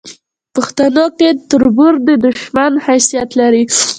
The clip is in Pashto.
پښتنو کې تربور د دوشمن حیثت لري